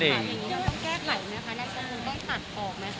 ต้องแกล้งไหมคะต้องตัดออกไหมคะ